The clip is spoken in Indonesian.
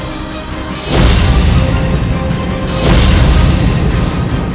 nyai yang menulis